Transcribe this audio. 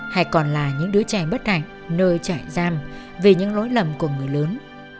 hay còn là những đứa trẻ bất hạnh nơi chạy giam vì những lỗi lầm của người lớn